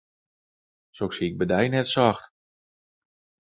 Soks hie ik by dy net socht.